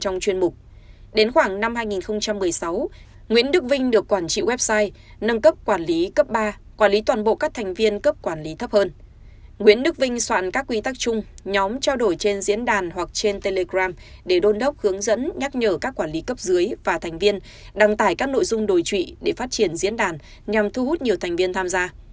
nguyễn đức vinh soạn các quy tắc chung nhóm trao đổi trên diễn đàn hoặc trên telegram để đôn đốc hướng dẫn nhắc nhở các quản lý cấp dưới và thành viên đăng tải các nội dung đồi trụy để phát triển diễn đàn nhằm thu hút nhiều thành viên tham gia